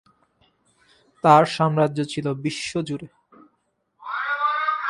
তার সাম্রাজ্য ছিল বিশ্বজুড়ে।